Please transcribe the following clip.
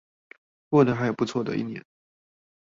過得還不錯的一年